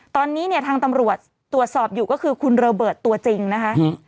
ตอนนี้เนี่ยทางตำรวจตรวจสอบอยู่ก็คือคุณโรเบิร์ตตัวจริงนะคะ